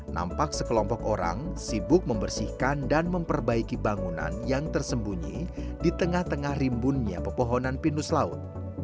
nampak sekelompok orang sibuk membersihkan dan memperbaiki bangunan yang tersembunyi di tengah tengah rimbunnya pepohonan pinus laut